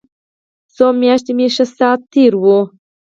څو مياشتې مې ښه ساعت تېر و.